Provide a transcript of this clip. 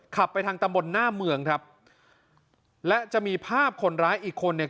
ขับไปทางตำบลหน้าเมืองครับและจะมีภาพคนร้ายอีกคนเนี่ย